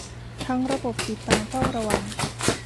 ทั้งระบบ ติดตาม เฝ้าระวัง